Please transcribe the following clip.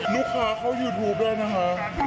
ลูกค้าเข้ายูทูปด้วยนะคะ